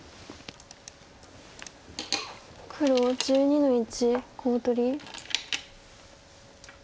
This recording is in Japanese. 黒１２の一コウ取り。